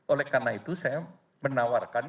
oleh karena itu saya menawarkan